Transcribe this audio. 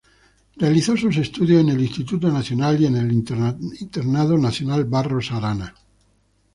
Realizó sus estudios en el Instituto Nacional y en el Internado Nacional Barros Arana.